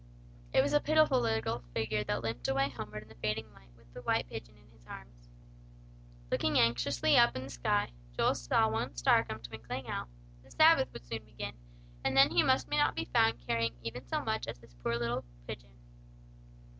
It was a pitiful little figure that limped away homeward in the fading light, with the white pigeon in his arms. Looking anxiously up in the sky, Joel saw one star come twinkling out. The Sabbath would soon begin, and then he must not be found carrying even so much as this one poor little pigeon.